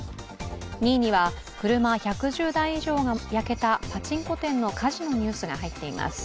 ２位には、車１１０台以上が焼けたパチンコ店の火事のニュースが入っています。